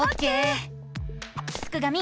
すくがミ